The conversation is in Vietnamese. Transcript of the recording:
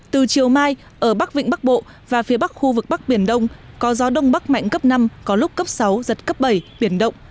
từ chiều mai ở bắc vịnh bắc bộ và phía bắc khu vực bắc biển đông có gió đông bắc mạnh cấp năm có lúc cấp sáu giật cấp bảy biển động